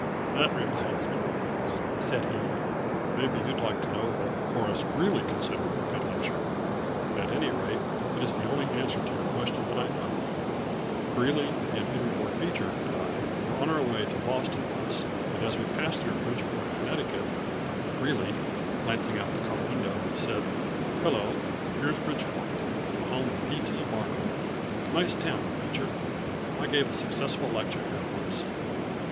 "That reminds me, Bangs," said he. "Maybe you'd like to know what Horace Greeley considered a good lecture at any rate it is the only answer to your question that I know. Greeley and Henry Ward Beecher and I were on our way to Boston once, and as we passed through Bridgeport, Connecticut, Greeley, glancing out of the car window, said, 'Hello, here's Bridgeport, the home of P. T. Barnum! Nice town, Beecher. I gave a successful lecture here once.'